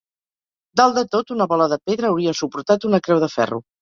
Dalt de tot una bola de pedra hauria suportat una creu de ferro.